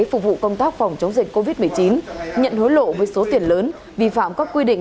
phục vụ công tác phòng chống dịch covid một mươi chín nhận hối lộ với số tiền lớn vi phạm các quy định